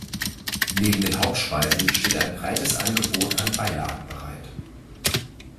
Neben den Hauptspeisen steht ein breites Angebot an Beilagen bereit.